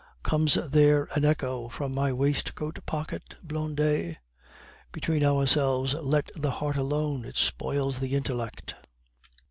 Comes there an echo from thy waistcoat pocket, Blondet? Between ourselves, let the heart alone, it spoils the intellect.